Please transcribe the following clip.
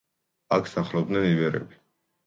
აქ სახლობდნენ იბერები.